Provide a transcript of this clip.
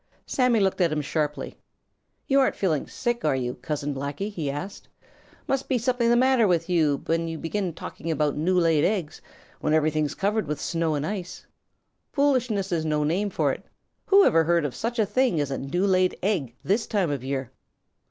Sammy looked at him sharply. "You aren't feeling sick, are you, Cousin Blacky?" he asked. "Must be something the matter with you when you begin talking about new laid eggs, when everything's covered with snow and ice. Foolishness is no name for it. Whoever heard of such a thing as a new laid egg this time of year."